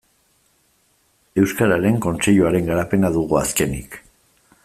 Euskararen Kontseiluaren garapena dugu azkenik.